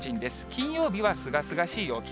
金曜日はすがすがしい陽気。